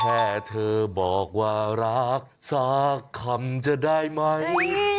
แค่เธอบอกว่ารักสักคำจะได้ไหม